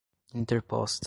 interposta